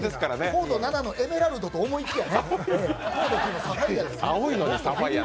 硬度７のエメラルドと思いきやね。